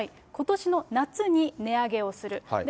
ことしの夏に値上げをする。